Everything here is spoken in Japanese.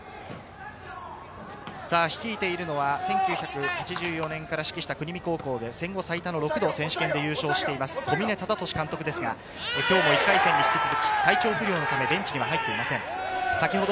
率いているのは１９８４年から指揮した国見高校で戦後最多６度、選手権で優勝している小嶺忠敏監督ですが、１回戦に引き続き、体調不良のためベンチに入っていません。